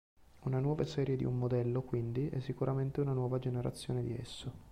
Una nuova serie di un modello quindi è sicuramente una nuova generazione di esso.